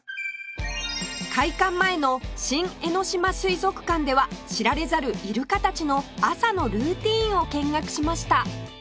開館前の新江ノ島水族館では知られざるイルカたちの朝のルーティンを見学しました